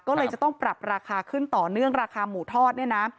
ก็เลยจะต้องปรับราคาขึ้นต่อเนื่องราคาหมูทอดเนี่ยนะ